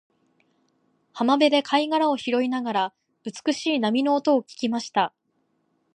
浜辺で貝殻を拾いながら、美しい波の音を聞きました。